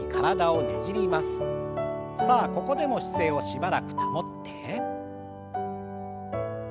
さあここでも姿勢をしばらく保って。